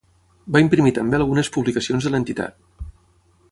Va imprimir també algunes publicacions de l'entitat.